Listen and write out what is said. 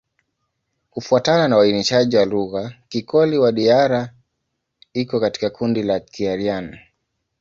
Kufuatana na uainishaji wa lugha, Kikoli-Wadiyara iko katika kundi la Kiaryan.